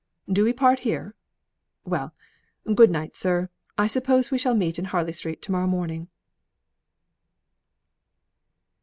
Do we part here? Well, good night, sir; I suppose we shall meet in Harley Street to morrow morning."